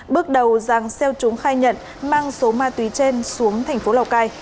bước đầu giàng xeo trúng khai nhận mang số ma túy trên xuống thành phố lào cai